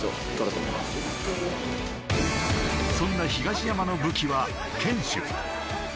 そんな東山の武器は堅守。